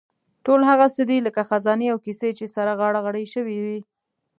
ټول هغه څه دي لکه خزانې او کیسې چې سره غاړه غړۍ شوې وي.